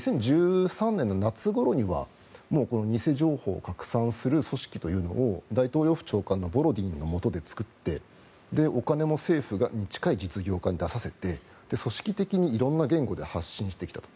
２０１３年の夏ごろにはもう偽情報を拡散する組織というのを大統領府長官のもとで作ってお金も政府に近い実業家に出させて組織的に色んな言語で出させたと。